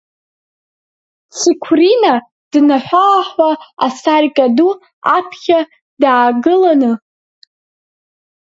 Циқәрина днаҳәы-ааҳәуа асаркьа ду аԥхьа даагы-ланы.